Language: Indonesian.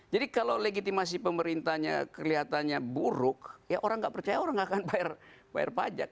jadi kalau legitimasi pemerintahnya kelihatannya buruk ya orang nggak percaya orang nggak akan bayar pajak